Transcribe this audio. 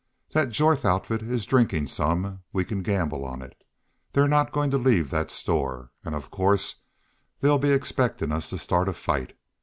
Thet Jorth outfit is drinkin' some, we can gamble on it. They're not goin' to leave thet store. An' of course they'll be expectin' us to start a fight.